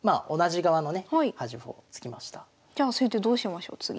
じゃあ先手どうしましょう次。